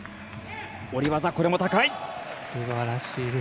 下り技、これも高い！